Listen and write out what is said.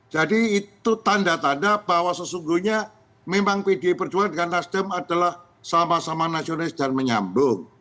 jadi itu tanda tanda bahwa sesungguhnya memang pdip dengan nasdem adalah sama sama nasionalis dan menyambung